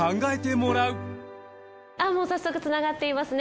もう早速つながっていますね。